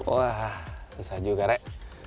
wah susah juga rek